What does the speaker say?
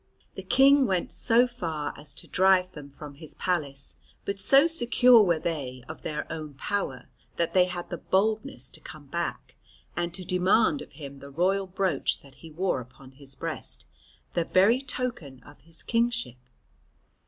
The King went so far as to drive them from his palace, but so secure were they of their own power that they had the boldness to come back, and to demand of him the royal brooch that he wore upon his breast, the very token of his kingship.